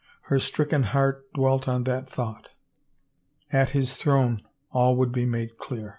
her stricken heart dwelt on that thought. At His Throne all would be made clear. .